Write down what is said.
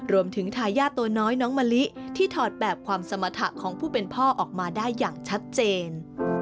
ทายาทตัวน้อยน้องมะลิที่ถอดแบบความสมรรถะของผู้เป็นพ่อออกมาได้อย่างชัดเจน